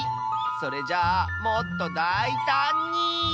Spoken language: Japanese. それじゃあもっとだいたんに。